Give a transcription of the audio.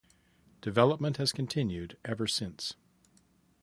Development has continued ever since.